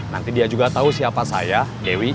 nanti dia juga tahu siapa saya dewi